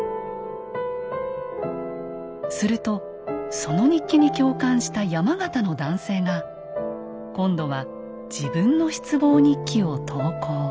するとその日記に共感した山形の男性が今度は自分の「失望日記」を投稿。